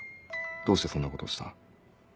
どうしてそんなことをした？